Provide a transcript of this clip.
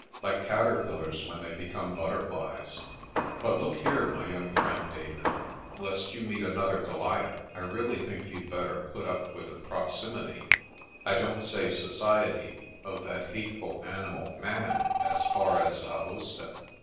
"Like caterpillars when they become butterflies. But look here, my young friend David, lest you meet another Goliath, I really think you'd better put up with the proximity (I don't say society) of that hateful animal, Man, as far as Aosta.